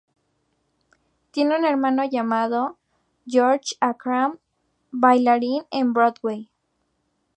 Tiene un hermano llamado, George Akram, bailarín en Broadway.